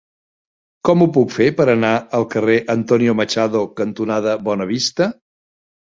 Com ho puc fer per anar al carrer Antonio Machado cantonada Bonavista?